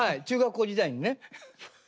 中学校時代にね。